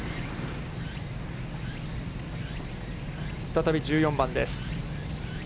再び１４番です。